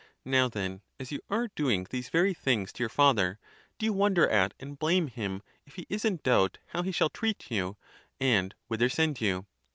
Now then, as you are doing these very things to your father, do you wonder at and blame him, if he is in doubt how he shall treat you, and whither send you?